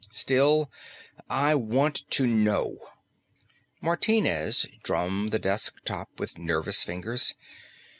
Still I want to know." Martinez drummed the desk top with nervous fingers.